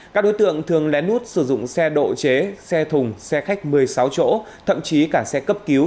các đối tượng thường lén lút sử dụng xe độ chế xe thùng xe khách một mươi sáu chỗ thậm chí cả xe cấp cứu